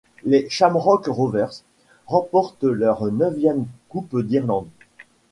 Les Shamrock Rovers remportent leur neuvième Coupe d'Irlande.